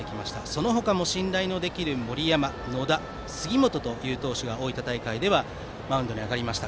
そのほかも信頼できる森山、野田杉本という投手が大分大会ではマウンドに上がりました。